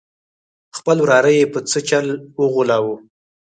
خپل وراره یې په څه چل وغولاوه.